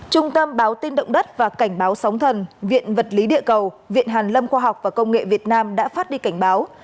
trung tâm báo tin động đất và cảnh báo sóng thần viện vật lý địa cầu viện hàn lâm khoa học và công nghệ việt nam đã phát đi cảnh báo